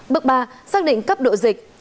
bước ba xác định cấp độ dịch